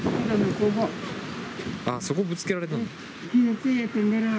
そこぶつけられたの。